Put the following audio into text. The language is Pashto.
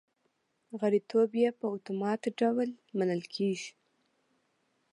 غړیتوب یې په اتومات ډول منل کېږي